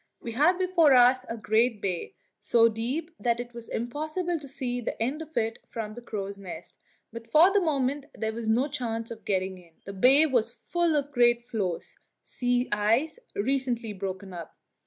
We had before us a great bay, so deep that it was impossible to see the end of it from the crow's nest; but for the moment there was no chance of getting in. The bay was full of great floes sea ice recently broken up.